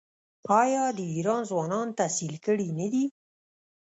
آیا د ایران ځوانان تحصیل کړي نه دي؟